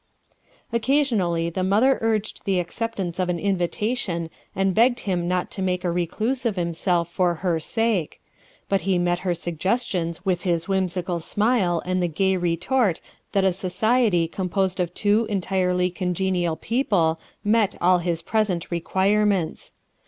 Occasionally the mother urged the acceptance of an invitation and begged him not to make a recluse of himself for her sake; but he met her suggestions with his whimsical smile and the gay retort that a society composed of two entirely congenial people met all his present requirements.